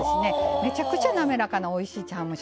めちゃくちゃ滑らかなおいしい茶碗蒸しになります。